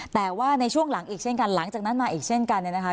แต่ว่าในช่วงหลังอีกเช่นกันหลังจากนั้นมาอีกเช่นกันเนี่ยนะคะ